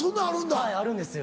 はいあるんですよ。